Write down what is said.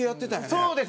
そうです。